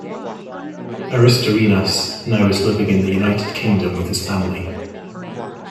Aristorenas now is living in the United Kingdom with his family.